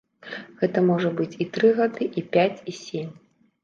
Гэта можа быць і тры гады, і пяць і сем.